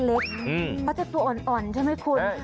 เพราะเด็กตัวอ่อนใช่ไหมคุณ